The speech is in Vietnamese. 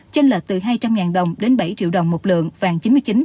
trên lệch từ hai trăm linh đồng đến bảy triệu đồng một lượng vàng chín mươi chín chín mươi chín